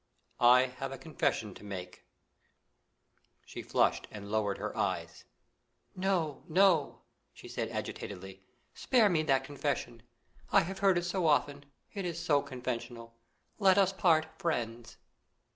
"I have a confession to make." She flushed and lowered her eyes. "No, no!" she said agitatedly; "spare me that confession. I have heard it so often; it is so conventional. Let us part friends."